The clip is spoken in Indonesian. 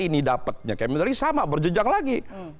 ini dapatnya kemen dagri sama berjejak lagi